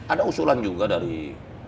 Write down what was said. ada usulan juga dari